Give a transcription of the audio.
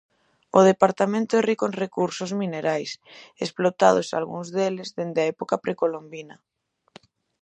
O departamento é rico en recursos minerais, explotados algúns deles dende época precolombina.